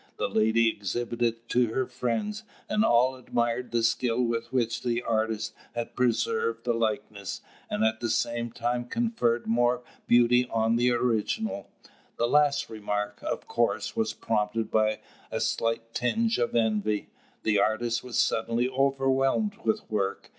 The lady exhibited it to her friends, and all admired the skill with which the artist had preserved the likeness, and at the same time conferred more beauty on the original. The last remark, of course, was prompted by a slight tinge of envy. The artist was suddenly overwhelmed with work.